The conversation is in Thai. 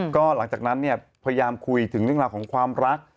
ก็หลังจากนั้นเนี่ยพยายามคุยถึงเรื่องราวของความรัก